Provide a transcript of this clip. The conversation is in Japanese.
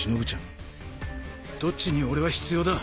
どっちに俺は必要だ？